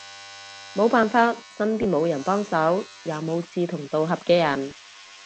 無辦法，身邊無人幫手，也無志同道合嘅人